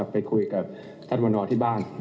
ไปคุยกับท่านวันนอที่บ้าน